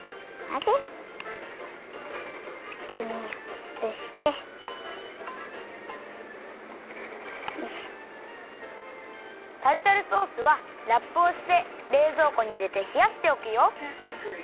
タルタルソースはラップをしてれいぞうこにいれてひやしておくよ。